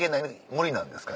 無理なんですか？